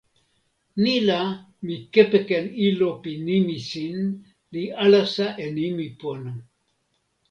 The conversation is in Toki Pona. ni la, mi kepeken ilo pi nimi sin, li alasa e nimi pona.